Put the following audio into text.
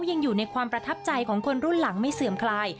ยังอยู่ในความประทับใจของคนรุ่นหลังไม่เสื่อมคลาย